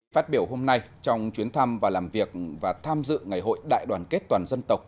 phát biểu hôm nay trong chuyến thăm và làm việc và tham dự ngày hội đại đoàn kết toàn dân tộc